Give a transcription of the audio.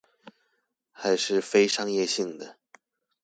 還是非商業性的